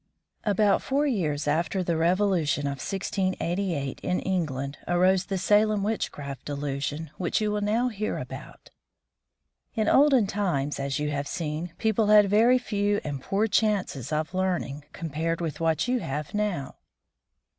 About four years after the Revolution of 1688, in England, arose the Salem witchcraft delusion, which you will now hear about. In olden times, as you have seen, people had very few and poor chances of learning, compared with what you have now.